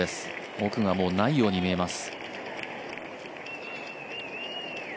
奥がもうないように見えます。